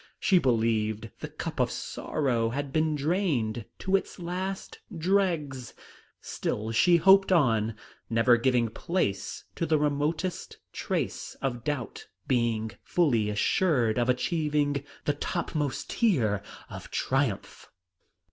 She believed the cup of sorrow had been drained to its last dregs; still she hoped on, never giving place to the remotest trace of doubt, being fully assured of achieving the topmost tier of triumph.